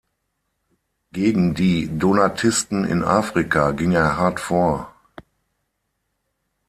Gegen die Donatisten in Africa ging er hart vor.